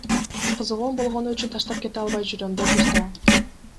Кызыгуум болгону үчүн таштап кете албай жүрөм, — дейт уста.